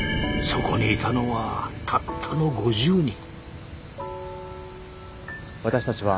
そこにいたのはたったの５０人。